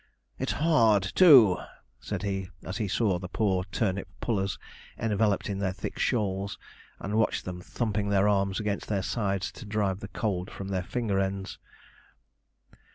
It's hard, too,' said he, as he saw the poor turnip pullers enveloped in their thick shawls, and watched them thumping their arms against their sides to drive the cold from their finger ends.